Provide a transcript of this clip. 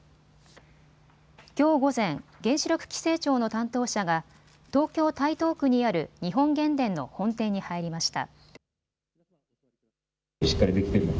きょう午前、原子力規制庁の担当者が東京台東区にある日本原電の本店に入りました。